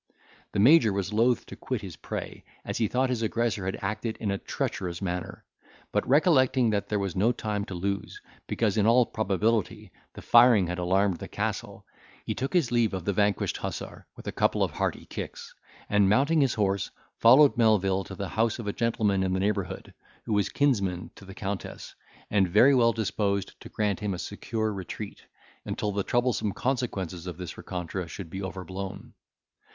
The Major was loth to quit his prey, as he thought his aggressor had acted in a treacherous manner; but recollecting that there was no time to lose, because, in all probability, the firing had alarmed the castle, he took his leave of the vanquished hussar, with a couple of hearty kicks, and, mounting his horse, followed Melvil to the house of a gentleman in the neighbourhood, who was kinsman to the Countess, and very well disposed to grant him a secure retreat, until the troublesome consequences of this rencontre should be overblown.